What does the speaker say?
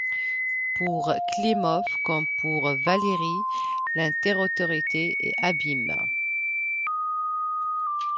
Pour Klimov, comme pour Valéry, l'intériorité est abîme.